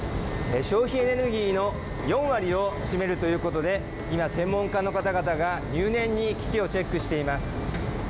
消費エネルギーの４割を占めるということで、今、専門家の方々が入念に機器をチェックしています。